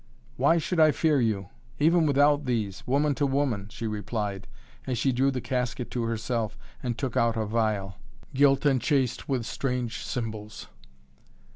"Why should I fear you? Even without these, woman to woman," she replied, as she drew the casket to herself and took out a phial, gilt and chased with strange symbols.